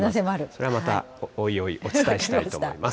それはまた、おいおいお伝えしたいと思います。